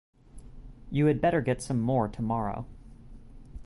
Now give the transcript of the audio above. You had better get some more tomorrow.